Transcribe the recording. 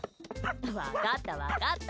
分かった分かった。